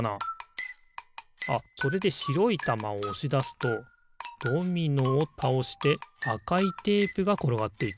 あっそれでしろいたまをおしだすとドミノをたおしてあかいテープがころがっていく。